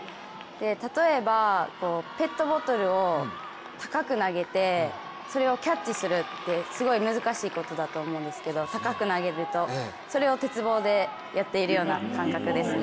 例えば、ペットボトルを高く投げてそれをキャッチするってすごい難しいことだと思うんですけど高く投げると、それを鉄棒でやっているような感覚ですね。